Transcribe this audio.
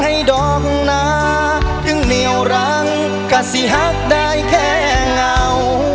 ดอกหนาถึงเหนียวรังกะสิหักได้แค่เงา